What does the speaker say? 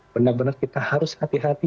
benar benar kita harus hati hati